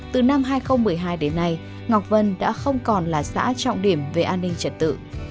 từ năm hai nghìn một mươi hai đến nay ngọc vân đã không còn là xã trọng điểm về an ninh trật tự